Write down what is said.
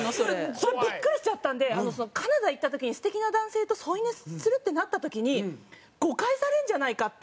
それビックリしちゃったんでカナダ行った時に素敵な男性と添い寝するってなった時に誤解されるんじゃないかって。